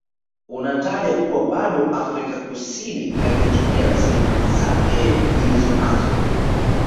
Unataja kuwa bado Afrika Kusini haijatumia rasilimali zake Ilizonanazo